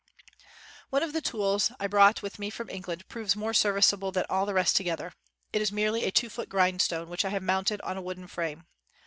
' One of the tools I brought with me from England proves more serviceable than all the rest together. It is merely a two foot grindstone which I have mounted on a wooden frame.